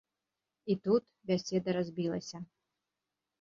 І тут бяседа разбілася.